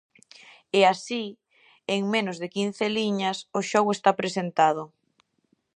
E así, en menos de quince liñas, o xogo está presentado.